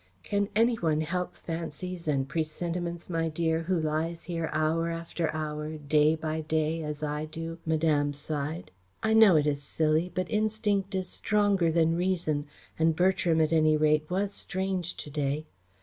"Can any one help fancies and presentiments, my dear, who lies here hour after hour, day by day, as I do," Madame sighed. "I know it is silly, but instinct is stronger than reason, and Bertram, at any rate, was strange to day.